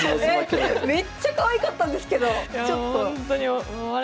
めっちゃかわいかったんですけど。